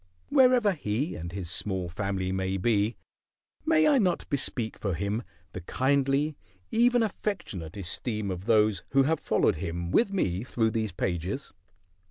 Wherever he and his small family may be, may I not bespeak for him the kindly, even affectionate, esteem of those who have followed him with me through these pages?